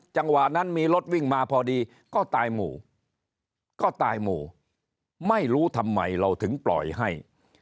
จังหวะนั้นมีรถวิ่งมาพอดีก็ตายหมู่ก็ตายหมู่ไม่รู้ทำไมเราถึงปล่อยให้